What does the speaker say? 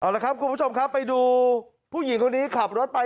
แล้วครับคุณผู้ชมครับไปดูผู้หญิงคนนี้ขับรถไป